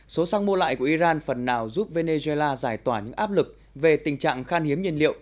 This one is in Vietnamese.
số xăng mua lại của iran phần nào giúp venezuela giải tỏa những áp lực về tình trạng khan hiếm nhiên liệu